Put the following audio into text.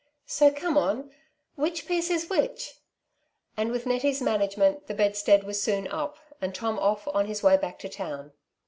So come on — which piece is which ?" And with Nettie's management the bedstead was soon up, and Tom off on his way back to town.